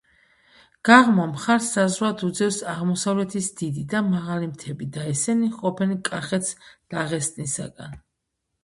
გაღმა მხარსსაზღვრად უძევს აღმოსავლეთის დიდი და მაღალი მთები და ესენი ჰყოფენ კახეთსდაღესტნისაგან.